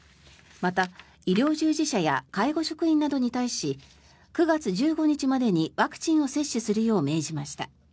また、医療従事者や介護職員らに対し９月１５日までにワクチンを接種するよう命じました。